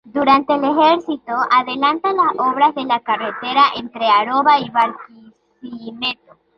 Durante su ejercicio adelanta las obras de la carretera entre Aroa y Barquisimeto.